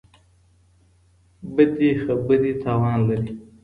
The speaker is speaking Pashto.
بدې خبرې تاوان لري.